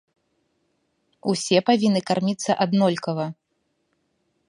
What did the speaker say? Усе павінны карміцца аднолькава.